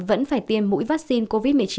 vẫn phải tiêm mũi vaccine covid một mươi chín